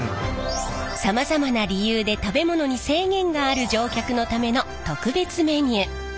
さまざまな理由で食べ物に制限がある乗客のための特別メニュー。